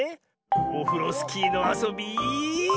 オフロスキーのあそび。